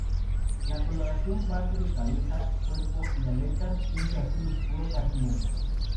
La coloración base de cabeza, cuerpo y aletas es azul oscuro, casi negro.